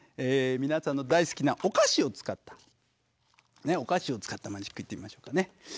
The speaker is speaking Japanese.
皆さんの大好きなお菓子を使ったお菓子を使ったマジックいってみましょうかね。